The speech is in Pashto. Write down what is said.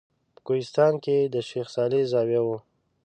په کوهستان کې د شیخ صالح زاویه وه.